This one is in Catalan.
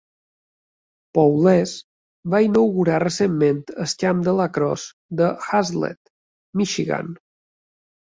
Powless va inaugurar recentment el camp de lacrosse de Haslett, Michigan.